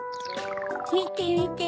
みてみて！